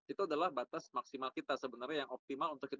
itu adalah batas maksimal kita sebenarnya yang optimal untuk kita